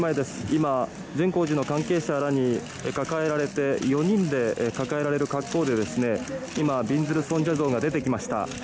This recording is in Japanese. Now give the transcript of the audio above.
今、善光寺の関係者らに抱えられて４人で抱えられる格好でびんずる尊者像が出てきました。